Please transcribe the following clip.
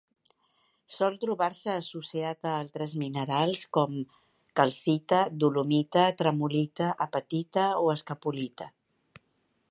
Sol trobar-se associat a altres minerals com: calcita, dolomita, tremolita, apatita o escapolita.